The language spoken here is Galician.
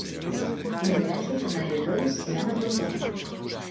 Miguel Anxo Fernández Lores e Ana Pontón.